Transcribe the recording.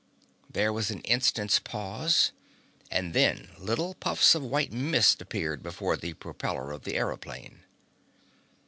There was an instant's pause, and then little puffs of white mist appeared before the propeller of the aëroplane.